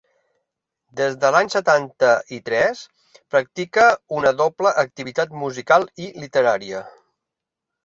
Des de l'any setanta i tres practica una doble activitat musical i literària.